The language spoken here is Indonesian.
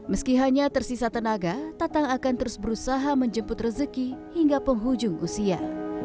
meski hanya tersisa tenaga tatang akan terus berusaha menjemput rezeki hingga penghujung usia